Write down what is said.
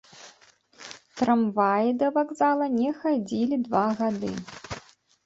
Трамваі да вакзала не хадзілі два гады.